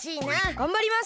がんばります！